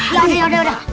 gak gak gak